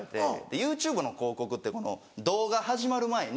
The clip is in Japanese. ＹｏｕＴｕｂｅの広告って動画始まる前に。